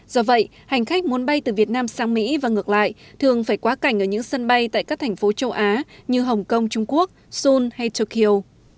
do vậy hành khách muốn bay từ việt nam sang mỹ và ngược lại thường phải quá cảnh ở những sân bay tại các thành phố châu á như hồng kông trung quốc seoul hay tokyo